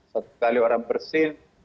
satu kali orang bersin